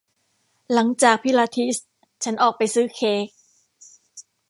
หลังจากพิลาทิสฉันออกไปซื้อเค้ก